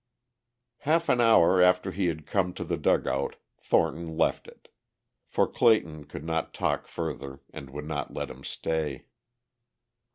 Half an hour after he had come to the dugout Thornton left it. For Clayton would not talk further and would not let him stay.